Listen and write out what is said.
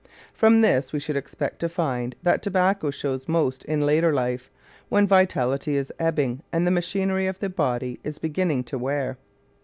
From this we should expect to find that tobacco shows most in later life, when vitality is ebbing and the machinery of the body is beginning to wear.